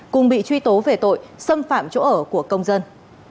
cùng bị truy tố về tội xâm phạm chỗ ở của công dân